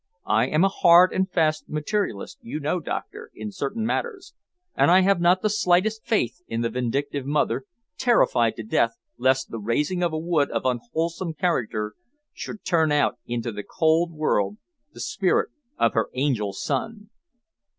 I am a hard and fast materialist, you know, Doctor, in certain matters, and I have not the slightest faith in the vindictive mother, terrified to death lest the razing of a wood of unwholesome character should turn out into the cold world the spirit of her angel son."